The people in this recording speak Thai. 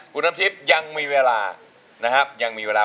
คุณน้ำทิพย์ยังมีเวลานะฮะ